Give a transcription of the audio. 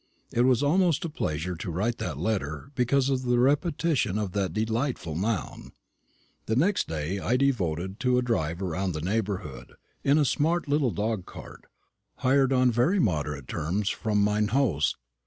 It was almost a pleasure to write that letter, because of the repetition of that delightful noun. The next day I devoted to a drive round the neighbourhood, in a smart little dog cart, hired on very moderate terms from mine host.